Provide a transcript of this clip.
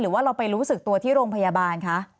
หรือว่าเราไปรู้สึกตัวที่โรงพยาบาลคะ